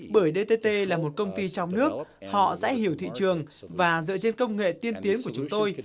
bởi dtt là một công ty trong nước họ dễ hiểu thị trường và dựa trên công nghệ tiên tiến của chúng tôi